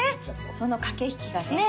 その駆け引きがね。ね！